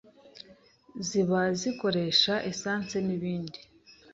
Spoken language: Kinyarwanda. ziba zikoresha essence n’ibindi.